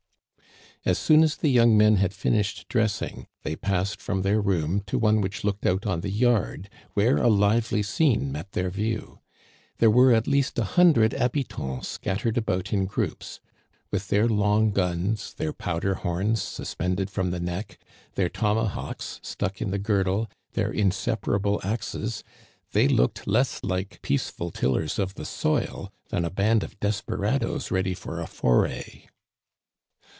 As soon as the young men had finished dressing, they passed from their room to one which looked out on the yard, where a lively scene met their view. There were at least a hundred habitants scattered about in groups. With their long guns, their powder horns sus pended from the neck, their tomahawks stuck in the gir dle, their inseparable axes, they looked less like peaceful tillers of the soil than a band of desperadoes ready for a foray.